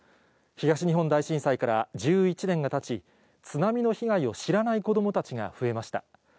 東日本大震災から１１年がたち、津波の被害を知らない子どもたちが増えました。